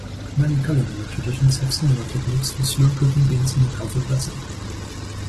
Many culinary traditions have similar techniques for slow-cooking beans in a covered vessel.